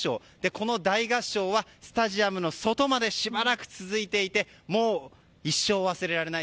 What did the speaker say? この大合唱はスタジアムの外までしばらく続いていてもう一生忘れられない